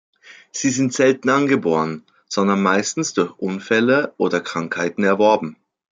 Sie sind selten angeboren, sondern meistens durch Unfälle oder Krankheiten erworben.